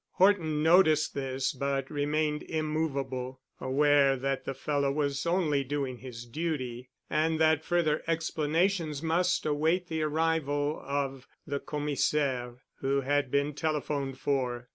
Horton noticed this but remained immovable, aware that the fellow was only doing his duty, and that further explanations must await the arrival of the Commissaire, who had been telephoned for.